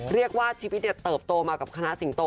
เรียกว่าชีวิตเติบโตมากับคณะสิงโต